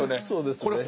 そうですね。